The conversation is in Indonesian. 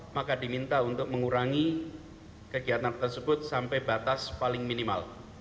maka diminta untuk mengurangi kegiatan tersebut sampai batas paling minimal